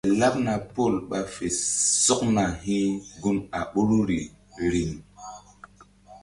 Fe laɓna Pɔl ɓa fe sɔkna hi̧ gun a ɓoruri riŋ.